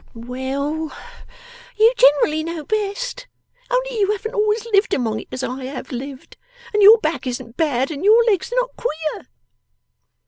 Well, you generally know best. Only you haven't always lived among it as I have lived and your back isn't bad and your legs are not queer.